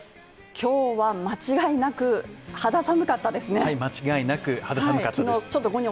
今日は間違いなく肌寒かったですね